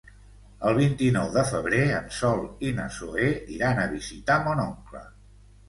El vint-i-nou de febrer en Sol i na Zoè iran a visitar mon oncle.